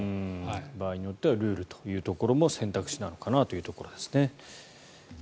場合によってはルールも選択肢なのかなというところですね。